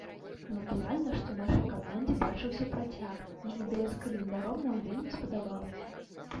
Натуральна, што нашай камандзе бачыўся працяг, і ідэя з календаром нам вельмі спадабалася.